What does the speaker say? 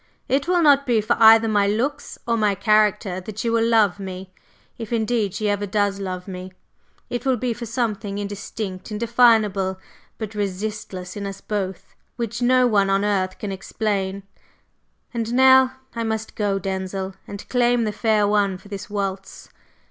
It will not be for either my looks or my character that she will love me if, indeed, she ever does love me; it will be for something indistinct, indefinable but resistless in us both, which no one on earth can explain. And now I must go, Denzil, and claim the fair one for this waltz.